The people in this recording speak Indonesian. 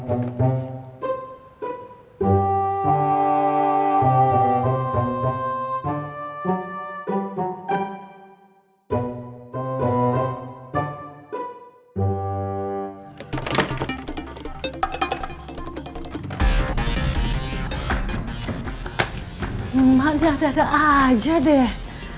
emangnya data aja deh